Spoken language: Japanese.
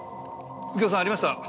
右京さんありました！